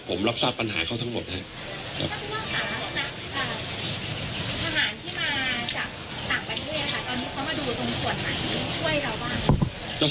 ผมรับทราบปัญหาเขาทั้งหมดครับ